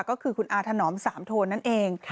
ก็คือคุณอาถนอมสามโทนนั่นเอง